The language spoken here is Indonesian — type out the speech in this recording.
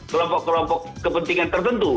kelompok kelompok kepentingan tertentu